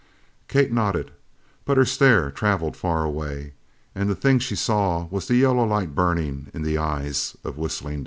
Kate nodded, but her stare travelled far away, and the thing she saw was the yellow light burning in the eyes of Whistling Dan.